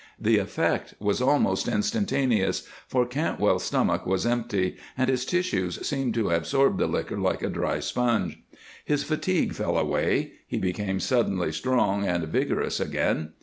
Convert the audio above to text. The effect was almost instantaneous, for Cantwell's stomach was empty and his tissues seemed to absorb the liquor like a dry sponge; his fatigue fell away, he became suddenly strong and vigorous again.